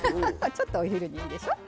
ちょっとお昼にいいでしょ。